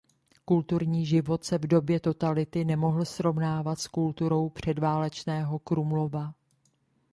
Kulturní život se v době totality nemohl srovnávat s kulturou předválečného Krumlova.